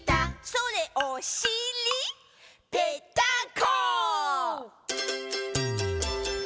「それおしり」「ぺったんこ！」